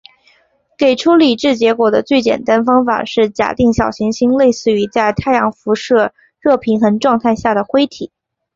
给出理智结果的最简单方法是假定小行星类似于在太阳辐射热平衡状态下的灰体。